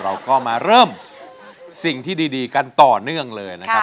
เราก็มาเริ่มสิ่งที่ดีกันต่อเนื่องเลยนะครับ